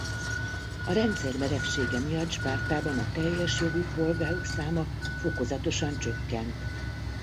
A rendszer merevsége miatt Spártában a teljes jogú polgárok száma fokozatosan csökkent.